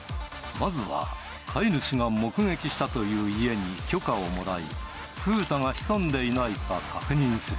まずは飼い主が目撃したという家に許可をもらい、ふうたが潜んでいないか確認する。